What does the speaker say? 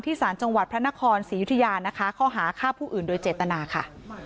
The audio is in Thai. สารจังหวัดพระนครศรียุธยานะคะข้อหาฆ่าผู้อื่นโดยเจตนาค่ะ